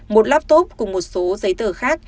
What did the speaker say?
một laptop cùng một số giấy tờ khác